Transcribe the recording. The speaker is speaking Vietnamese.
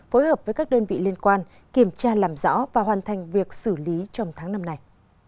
phối hợp với các đơn vị liên quan kiểm tra làm rõ và hoàn thành việc xử lý trong tháng năm này